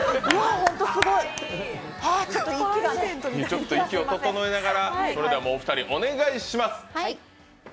ちょっと息を整えながらそれではお二人お願いします。